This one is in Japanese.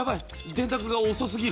電卓が遅すぎる。